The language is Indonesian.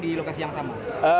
di lokasi yang sama